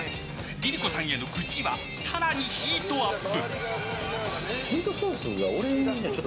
ＬｉＬｉＣｏさんへの愚痴は更にヒートアップ。